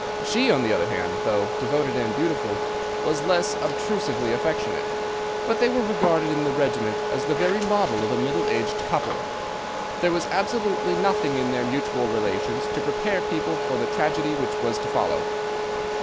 She, on the other hand, though devoted and faithful, was less obtrusively affectionate. But they were regarded in the regiment as the very model of a middle aged couple. There was absolutely nothing in their mutual relations to prepare people for the tragedy which was to follow.